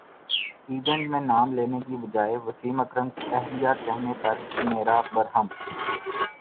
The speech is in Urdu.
ایونٹ میں نام لینے کے بجائے وسیم اکرم کی اہلیہ کہنے پر شنیرا برہم